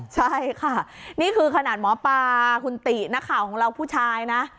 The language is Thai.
ใช่ค่ะนี่คือขนาดหมอปลาคุณตินักข่าวของเราผู้ชายนะ